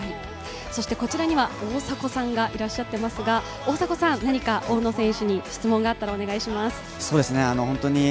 こちらには大迫さんがいらっしゃっていますが、何か大野選手に質問があったらお願いします。